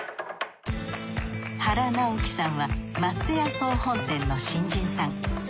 原直輝さんは松屋総本店の新人さん。